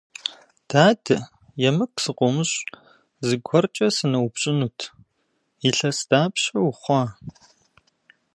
Дадэ, емыкӀу сыкъыумыщӀ, зыгуэркӀэ сыноупщӀынут: илъэс дапщэ ухъуа?